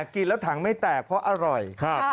กินแล้วถังไม่แตกเพราะอร่อย